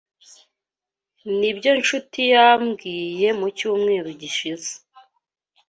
Nibyo Nshuti yambwiye mu cyumweru gishize.